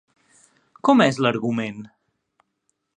Com és l'argument?